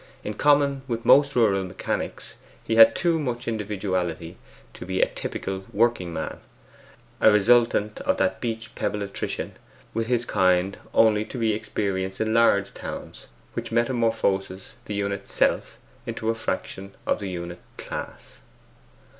In common with most rural mechanics, he had too much individuality to be a typical 'working man' a resultant of that beach pebble attrition with his kind only to be experienced in large towns, which metamorphoses the unit Self into a fraction of the unit Class.